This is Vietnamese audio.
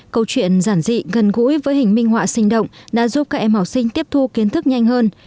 câu chuyện giản dị gần gũi với hình minh họa sinh động đã giúp các em học sinh tiếp thu kiến thức nhanh hơn